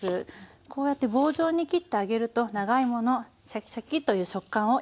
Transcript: こうやって棒状に切ってあげると長芋のシャキシャキという食感を生かすことができます。